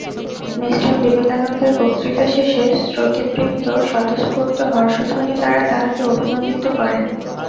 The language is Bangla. মি বিবেকানন্দের বক্তৃতার শেষে শ্রোতৃবৃন্দ স্বতঃস্ফূর্ত হর্ষধ্বনি দ্বারা তাঁহাকে অভিনন্দিত করেন।